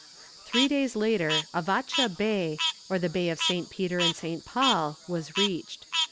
Three days later Avatscha Bay, or the Bay of Saint Peter and Saint Paul, was reached.